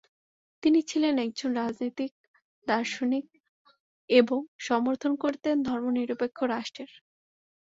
তিনি ছিলেন একজন রাজনিতিক দার্শনিক এবং সমর্থন করতেন ধর্ম নিরপেক্ষ রাষ্ট্রের।